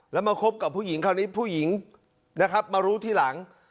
แล้วมาคบกับผู้หญิงคราวนี้ผู้หญิงนะครับมารู้ทีหลัง